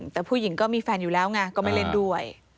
แต่ผู้หญิงก็มีแฟนอยู่แล้วไงก็ไม่เล่นด้วย